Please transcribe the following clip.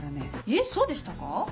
えっそうでしたか？